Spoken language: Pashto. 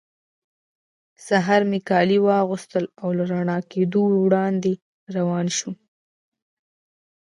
سهار مې کالي واغوستل او له رڼا کېدو وړاندې روان شوم.